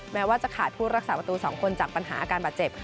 แม้ว่าจะขาดผู้รักษาประตู๒คนจากปัญหาอาการบาดเจ็บ